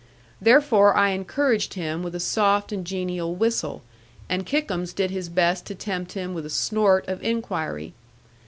Therefore I encouraged him with a soft and genial whistle, and Kickums did his best to tempt him with a snort of inquiry.